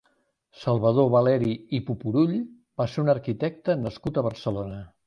Salvador Valeri i Pupurull va ser un arquitecte nascut a Barcelona.